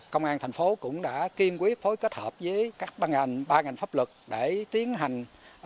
công an thành phố cũng đã kiên quyết phối kết hợp với các ban ngành ba ngành pháp luật để tiến hành